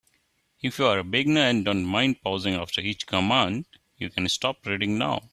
If you are a beginner and don't mind pausing after each command, you can stop reading now.